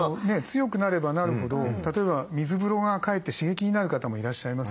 強くなればなるほど例えば水風呂がかえって刺激になる方もいらっしゃいますから。